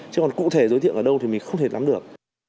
chứ còn cụ thể giới thiệu ở đâu thì mình không thể lắm được